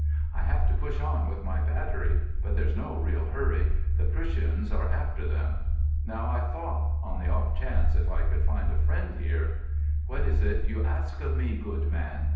"I have to push on with my battery. But there's no real hurry—the Prussians are after them. Now I thought—on the off chance, if I could find a friend here——" "What is it you ask of me, good man?"